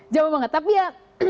jauh banget tapi ya